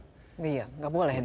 tidak boleh dong